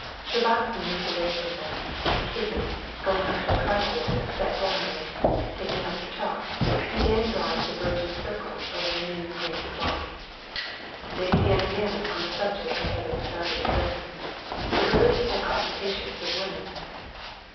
Shtcherbatsky moved away from them, and Kitty, going up to a card table, sat down, and, taking up the chalk, began drawing diverging circles over the new green cloth. They began again on the subject that had been started at dinner—the liberty and occupations of women.